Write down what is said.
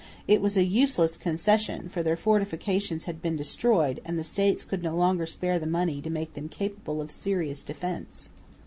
It was a useless concession, for their fortifications had been destroyed, and the States could no longer spare the money to make them capable of serious defence.